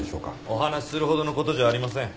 お話しするほどの事じゃありません。